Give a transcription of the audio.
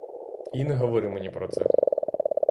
І не говори мені про це!